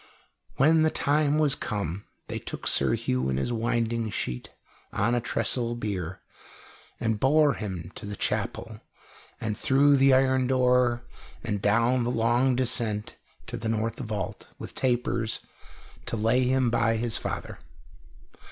When the time was come they took Sir Hugh in his winding sheet on a trestle bier, and bore him to the chapel and through the iron door and down the long descent to the north vault, with tapers, to lay him by his father.